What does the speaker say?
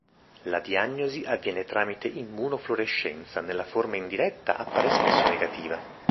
La diagnosi avviene tramite immunofluorescenza: nella forma indiretta appare spesso negativa.